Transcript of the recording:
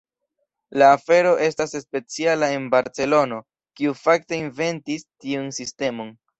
La afero estas speciala en Barcelono, kiu fakte “inventis” tiun sistemon.